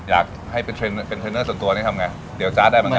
อยากให้เป็นเทรนเนอร์ส่วนตัวเนี่ยทำไงเตี๋ยวจาร์ดได้เหมือนกัน